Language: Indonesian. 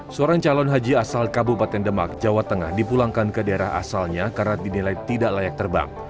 seorang calon haji asal kabupaten demak jawa tengah dipulangkan ke daerah asalnya karena dinilai tidak layak terbang